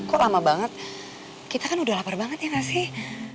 kok lama banget kita kan udah lapar banget ya gak sih